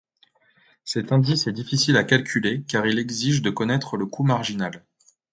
Cet indice est difficile à calculer car il exige de connaître le coût marginal.